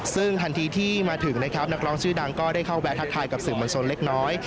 ซึ่งทันทีที่มาถึงนะครับนักร้องชื่อดังก็ได้เข้าแวะทักทายกับสื่อมวลชนเล็กน้อย